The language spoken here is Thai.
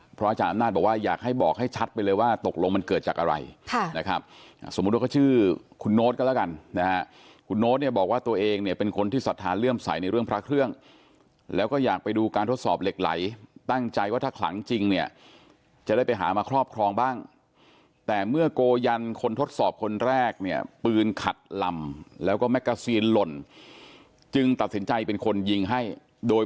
เพราะอาจารย์อำนาจบอกว่าอยากให้บอกให้ชัดไปเลยว่าตกลงมันเกิดจากอะไรนะครับสมมุติว่าก็ชื่อคุณโน้ตก็แล้วกันคุณโน้ตเนี่ยบอกว่าตัวเองเนี่ยเป็นคนที่สัทธาเลื่อมใสในเรื่องพระเครื่องแล้วก็อยากไปดูการทดสอบเหล็กไหลตั้งใจว่าถ้าขลังจริงเนี่ยจะได้ไปหามาครอบครองบ้างแต่เมื่อโกยันคนทดสอบคนแรกเนี่ย